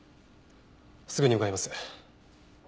すぐに向かいます。